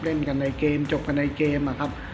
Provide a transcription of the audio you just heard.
เล่นกันในเกมจบกันในเกม